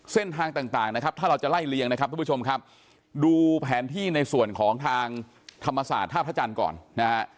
เส้นทางต่างนะครับถ้าเราจะไล่เลียงนะครับทุกผู้ชมครับดูแผนที่ในส่วนของทางธรรมศาสตร์ท่าพระจันทร์ก่อนนะฮะ